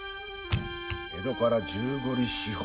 江戸から十五里四方。